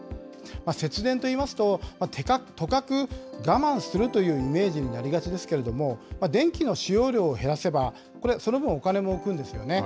節電といいますと、とかく、我慢するというイメージになりがちですけれども、電気の使用量を減らせば、これ、その分、お金も浮くんですよね。